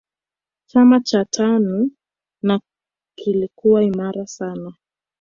chama cha tanu na kilikuwa imara sana